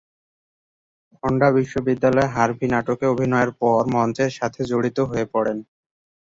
ফন্ডা বিদ্যালয়ে "হার্ভি" নাটকে অভিনয়ের পর মঞ্চের সাথে জড়িত হয়ে পড়েন।